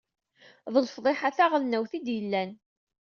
D lefḍiḥa taɣelnawt i d-yellan.